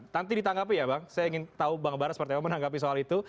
nanti ditanggapi ya bang saya ingin tahu bang bara seperti apa menanggapi soal itu